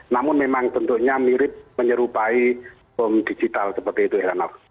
namun memang bentuknya mirip menyerupai bom digital seperti itu heranov